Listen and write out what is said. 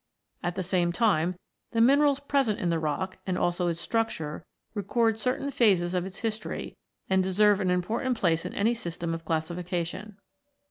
At the same time, the minerals present in the rock, and also its structure, record certain phases of its history, and deserve an important place in any system of classification.